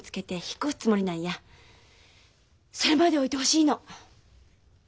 それまで置いてほしいの。